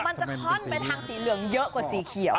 มันจะค่อนไปทางสีเหลืองเยอะกว่าสีเขียว